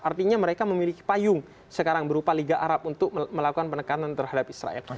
artinya mereka memiliki payung sekarang berupa liga arab untuk melakukan penekanan terhadap israel